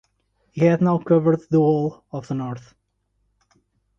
He had now covered the whole of the north.